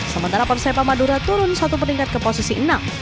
sementara persepa madura turun satu peringkat ke posisi enam